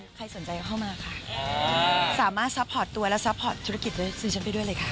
ใครสนใจก็เข้ามาค่ะสามารถซัพพอร์ตตัวและซัพพอร์ตธุรกิจด้วยซีซัดไปด้วยเลยค่ะ